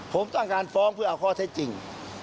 ผมต้องการฟ้องเพื่อเอาข้อเท็จจริง